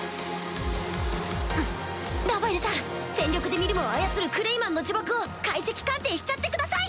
ラファエルさん全力でミリムを操るクレイマンの呪縛を解析鑑定しちゃってください！